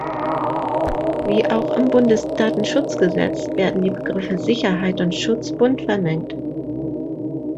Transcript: Wie auch im Bundesdatenschutzgesetz werden die Begriffe Sicherheit und Schutz bunt vermengt.